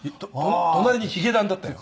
隣にヒゲダンだったよ。